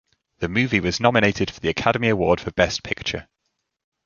The movie was nominated for the Academy Award for Best Picture.